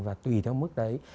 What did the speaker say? và tùy theo mức đấy